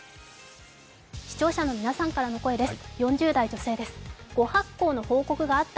視聴者の皆さんからの声です。